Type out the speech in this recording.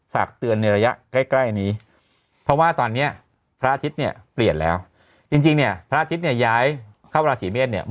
เป็นการที่เริ่มต้นนางสงกรานคนใหม่